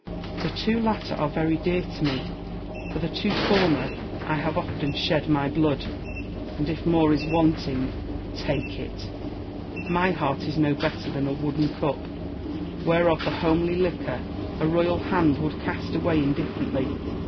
Wa.llace. The two latter are very dear to me ! For the two former I have often shed my blood, and, if more is want ing, take it. My heart is no better than a wooden cup, whereof the homely liquor a royal hand would cast away indifferently.